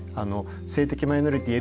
性的マイノリティー